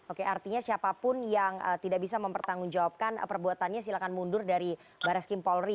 oke artinya siapapun yang tidak bisa mempertanggungjawabkan perbuatannya silahkan mundur dari barreskrim polri